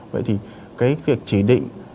vậy thì cái việc chỉ định